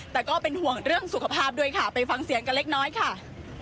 แต่ก็เป็นห่วงเรื่องสุขภาพด้วยค่ะไปฟังเสียงกันเล็กน้อยค่ะ